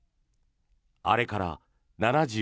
あれから７５年。